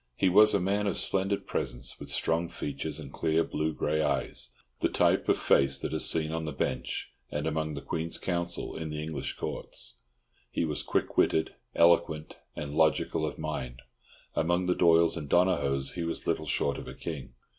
He was a man of splendid presence, with strong features and clear blue grey eyes—the type of face that is seen on the Bench and among the Queen's Counsel in the English Courts. He was quick witted, eloquent, and logical of mind. Among the Doyles and Donohoes he was little short of a king.